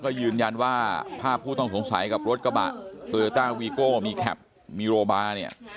ก็ยืนยันว่าภาพผู้ต้องสงสัยกับรถกระบะมีแคปมีโรบาเนี่ย